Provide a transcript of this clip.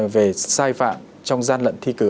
về sai phạm trong gian luận thi cử